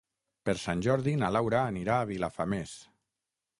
Per Sant Jordi na Laura anirà a Vilafamés.